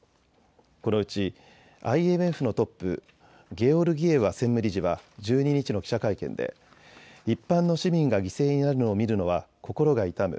このうちＩＭＦのトップ、ゲオルギエワ専務理事は１２日の記者会見で一般の市民が犠牲になるのを見るのは心が痛む。